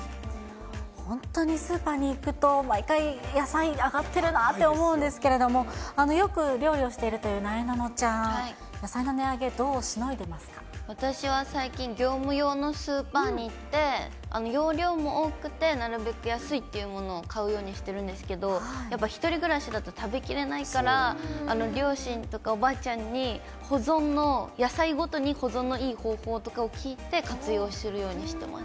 本当にスーパーに行くと、毎回、野菜、上がってるなって思うんですけど、よく料理をしているというなえなのちゃん、野菜の値上げ、どうし私は最近、業務用のスーパーに行って、容量も多くて、なるべく安いっていうものを買うようにしてるんですけど、やっぱり、１人暮らしだと食べきれないから、両親とかおばあちゃんに保存の、野菜ごとに保存のいい方法とかを聞いて、活用するようにしてます。